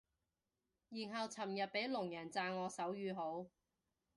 然後尋日俾聾人讚我手語好